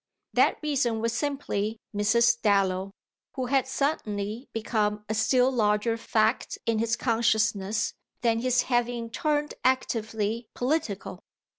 That reason was simply Mrs. Dallow, who had suddenly become a still larger fact in his consciousness than his having turned actively political.